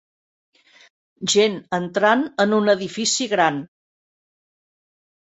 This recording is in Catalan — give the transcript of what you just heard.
Gent entrant en un edifici gran.